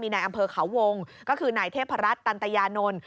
ในอำเภอเขาวงก็คือนายเทพรัฐตันตยานนท์